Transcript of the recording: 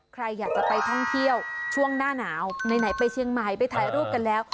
ใครอยากจะไปท่องเที่ยวช่วงหน้าหนาวไหนไปเชียงใหม่ไปถ่ายรูปกันแล้ว